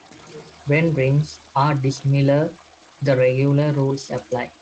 When rings are dissimilar the regular rules apply.